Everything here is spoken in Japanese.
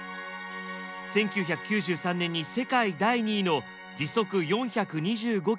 １９９３年に世界第２位の時速４２５キロを記録しました。